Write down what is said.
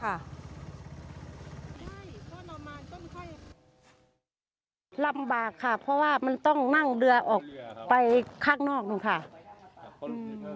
ลำบากค่ะเพราะว่ามันต้องนั่งเรือออกไปข้างนอกนึงค่ะ